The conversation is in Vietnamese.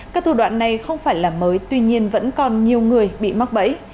các thủ đoạn này không phải là mới tuy nhiên vẫn còn nhiều người bị mắc bẫy